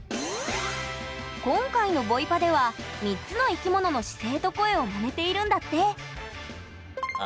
今回のボイパでは３つの生き物の姿勢と声をまねているんだって